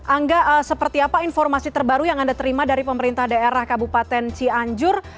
angga seperti apa informasi terbaru yang anda terima dari pemerintah daerah kabupaten cianjur